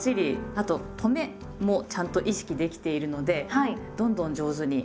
あととめもちゃんと意識できているのでどんどん上手になってきていますね。